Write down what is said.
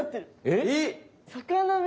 えっ！